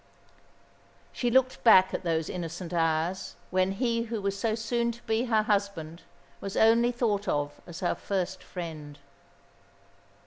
She looked back at those innocent hours, when he who was so soon to be her husband was only thought of as her first friend.